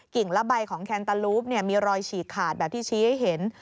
่งและใบของแคนตาลูปมีรอยฉีกขาดแบบที่ชี้ให้เห็น